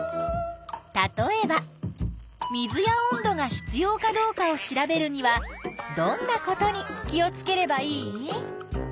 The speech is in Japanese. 例えば水や温度が必要かどうかを調べるにはどんなことに気をつければいい？